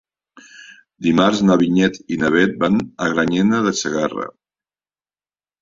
Dimarts na Vinyet i na Bet van a Granyena de Segarra.